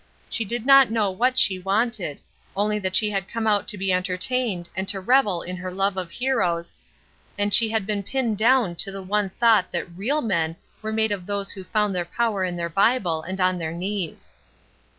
She did not know what she wanted only that she had come out to be entertained and to revel in her love of heroes, and she had been pinned down to the one thought that real men were made of those who found their power in their Bible and on their knees.